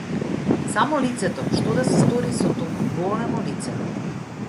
Само лицето, што да се стори со толку големо лице?